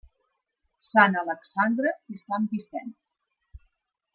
Sant Alexandre i Sant Vicent.